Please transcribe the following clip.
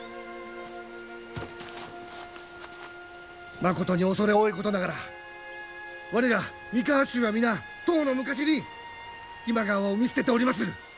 まことに畏れ多いことながら我ら、三河衆は皆とうの昔に今川を見捨てておりまする！